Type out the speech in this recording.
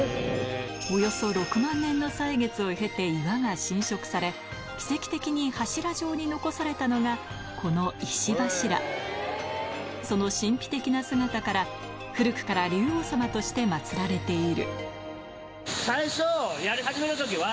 およそ６万年の歳月を経て岩が浸食され奇跡的に柱状に残されたのがこのその神秘的な姿から古くから竜王様としてまつられている最初やり始めの時は。